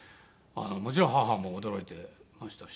もちろん母も驚いてましたし。